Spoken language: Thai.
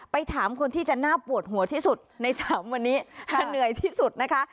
ถามคนที่จะน่าปวดหัวที่สุดใน๓วันนี้จะเหนื่อยที่สุดนะคะ